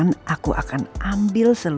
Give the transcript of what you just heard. ya udah deh